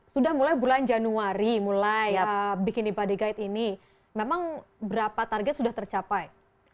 sudah mulai bulan januari mulai bikin ipad guide ini memang berapa target sudah tercapai